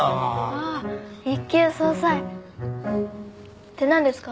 あぁ一級葬祭。って何ですか？